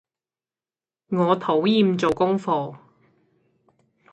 我討厭做功課